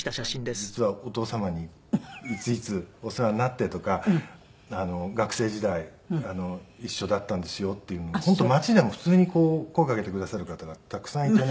「実はお父様にいついつお世話になって」とか「学生時代一緒だったんですよ」っていうのも本当街でも普通に声かけてくださる方がたくさんいてね。